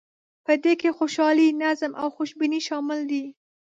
په دې کې خوشحالي، نظم او خوشبیني شامل دي.